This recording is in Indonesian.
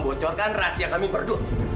bocorkan rahasia kami berdua